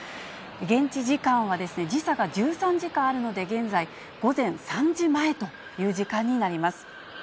現地時間は、時差が１３時間あるので、現在、午前３時前という時間になります。